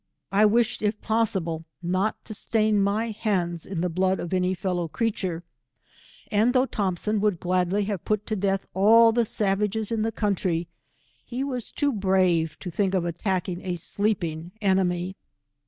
1 wished if possible, not to stain my hands in the blood of any fellow creature, and though Thompson would gladly have put to death all the savages in the country, be was too brave to think of attacking a sleeping enemy.